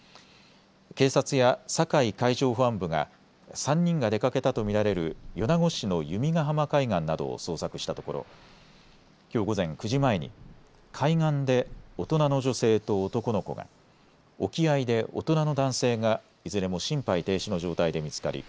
警察や境海上保安部が３人が出かけたと見られる米子市の弓ヶ浜海岸などを捜索したところきょう午前９時前に海岸で大人の女性と男の子が、沖合で大人の男性がいずれも心肺停止の状態で見つかり